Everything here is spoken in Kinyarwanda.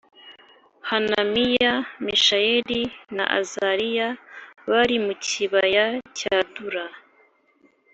Hananiya Mishayeli na Azariya bari mu kibaya cya Dura